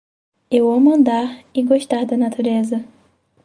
Eu amo andar e gostar da natureza.